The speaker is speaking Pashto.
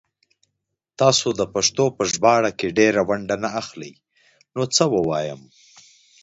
تاسو دا پښتو په ژباړه کې ډيره ونډه نه اخلئ نو څه ووايم